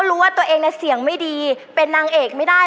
รู้ตัวเองเสียงไม่ดีเป็นนางเอกไม่ได้